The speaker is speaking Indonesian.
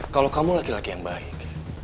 kalau kamu laki laki yang baik